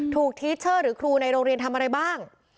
ทีเชอร์หรือครูในโรงเรียนทำอะไรบ้าง